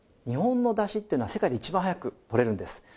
日本のだしっていうのは世界で一番早くとれるんです。